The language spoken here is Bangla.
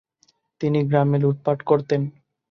তিনি গ্রামে লুটপাট করতেন।